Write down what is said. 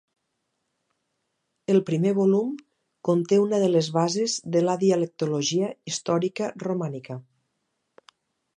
El primer volum conté una de les bases de la dialectologia històrica romànica.